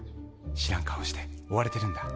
知らん顔して追われてるんだ。